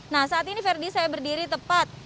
nah saat ini verdi saya berdiri tepat